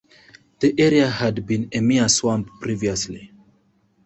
The area had been a mere swamp previously.